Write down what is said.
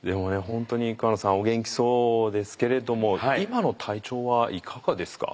本当に桑野さんお元気そうですけれども今の体調はいかがですか？